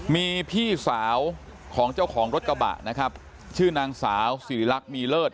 มีพี่สาวของเจ้าของรถกระบะนะครับชื่อนางสาวสิริรักษ์มีเลิศ